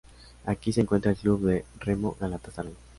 Aquí se encuentra el club de remo Galatasaray.